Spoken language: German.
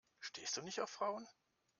Stehst du nicht auf Frauen?